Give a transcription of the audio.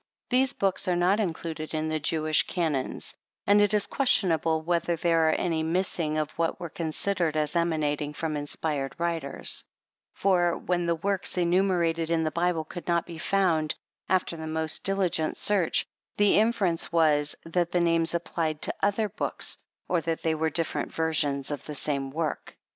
These books are not included in the Jewish Canons, and it is questionable whether there are any missing of what were considered as emanating from inspired writers ; for, when the works enumerated in the Bible could not be found after the most diligent search, the inference was, that the names applied to other books, or that they were different versions of the same work.